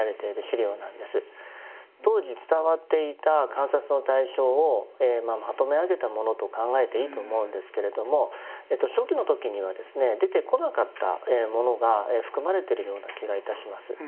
当時伝わっていた観察の対象をまとめ上げたものと考えていいと思うんですけれども初期の時にはですね出てこなかったものが含まれてるような気が致します。